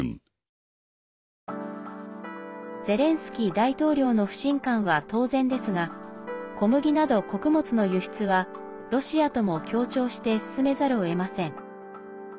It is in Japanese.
ゼレンスキー大統領の不信感は当然ですが小麦など穀物の輸出はロシアとも協調して進めざるをえません。